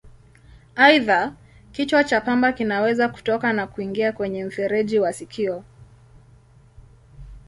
Aidha, kichwa cha pamba kinaweza kutoka na kuingia kwenye mfereji wa sikio.